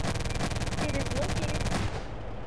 It is located